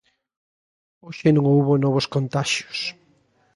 Hoxe non houbo novos contaxios.